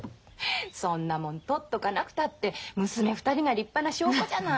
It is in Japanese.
そんなもん取っとかなくたって娘２人が立派な証拠じゃない。